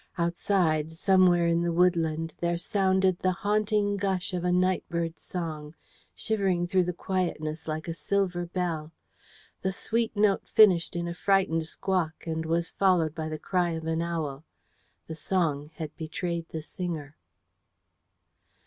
Outside, somewhere in the woodland, there sounded the haunting gush of a night bird's song, shivering through the quietness like a silver bell. The sweet note finished in a frightened squawk, and was followed by the cry of an owl. The song had betrayed the singer.